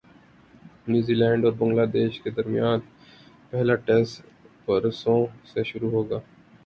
New Zealand اور Bangladesh کے درمیان پہلا ٹیسٹ پرسوں سے شروع ہوگا